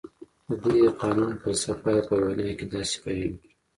د دې قانون فلسفه یې په وینا کې داسې بیان کړه.